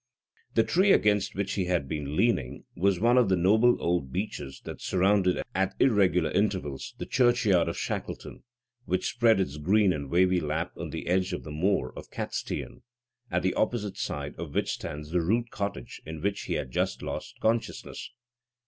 The tree against which he had been leaning was one of the noble old beeches that surround at irregular intervals the churchyard of Shackleton, which spreads its green and wavy lap on the edge of the Moor of Catstean, at the opposite side of which stands the rude cottage in which he had just lost consciousness.